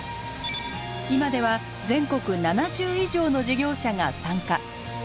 今では全国７０以上の事業者が参加。